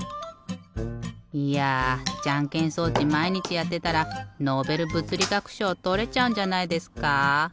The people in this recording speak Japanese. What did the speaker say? いやじゃんけん装置まいにちやってたらノーベルぶつりがくしょうとれちゃうんじゃないですか？